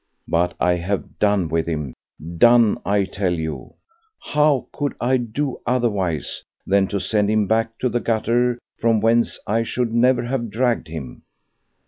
But I have done with him—done, I tell you! How could I do otherwise than to send him back to the gutter from whence I should never have dragged him?